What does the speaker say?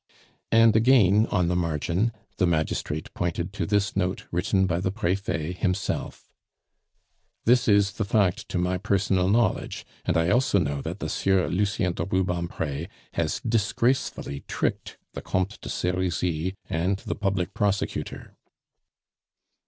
And again, on the margin, the magistrate pointed to this note written by the Prefet himself: "This is the fact to my personal knowledge; and I also know that the Sieur Lucien de Rubempre has disgracefully tricked the Comte de Serizy and the Public Prosecutor."